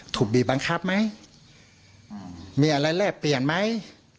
ถูกบีบบังคับไหมมีอะไรแลกเปลี่ยนไหม